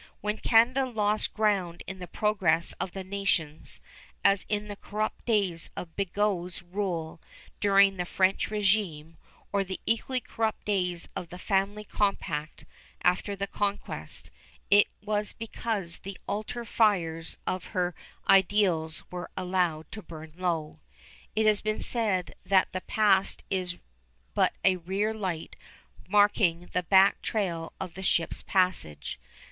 When Canada lost ground in the progress of the nations, as in the corrupt days of Bigot's rule during the French régime, or the equally corrupt days of the family compact after the Conquest, it was because the altar fires of her ideals were allowed to burn low. It has been said that the past is but a rear light marking the back trail of the ship's passage.